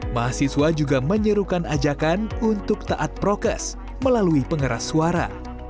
mahasiswa juga menyerukan ajakan untuk taat prokes melalui pengeras suara